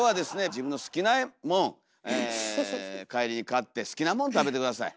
自分の好きなもん帰りに買って好きなもん食べて下さい。